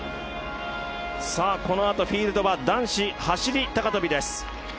このあとフィールドは男子走り高跳びです。